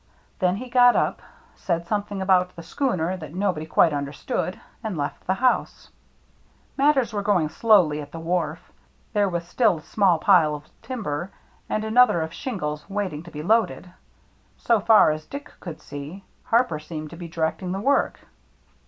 Then he got up, said something about the schooner that nobody quite understood, and left the house. Matters were going slowly at the wharf. THE CIRCLE MARK 107 There was still a small pile of timber, and an other of shingles waiting to be loaded. So far as Dick could see. Harper seemed to be direct ing the work.